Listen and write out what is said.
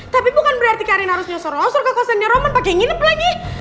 tapi bukan berarti karin harus nyosor losor ke kosannya roman pake nginep lagi